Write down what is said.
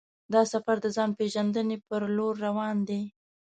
دا سفر د ځان پېژندنې پر لور روان دی.